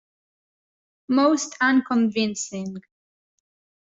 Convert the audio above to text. Most unconvincing!